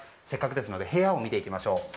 せっかくですので部屋を見ていきましょう。